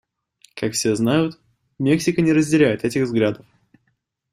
Как все знают, Мексика не разделяет этих взглядов.